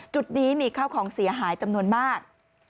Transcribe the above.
จุดนี้มีข้าวของเสียหายจำนวนมาก